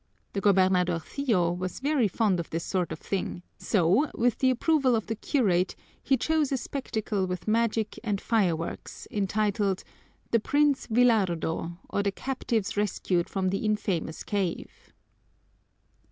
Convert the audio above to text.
The gobernadorcillo was very fond of this sort of thing, so, with the approval of the curate, he chose a spectacle with magic and fireworks, entitled, "The Prince Villardo or the Captives Rescued from the Infamous Cave."